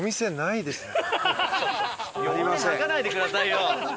弱音吐かないでくださいよ。